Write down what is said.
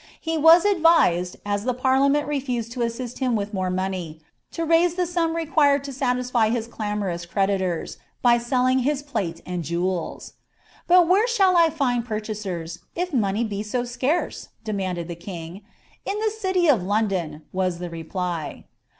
He was advised, as the parliament refused to assist him with more money, to raise the sum required to satisfy his damorous creditors, by selling his plate and jewels. ^ But where shall I find purchasers, if money be so scarce ?'' demanded the king. ^ In the city of London,^ was the reply.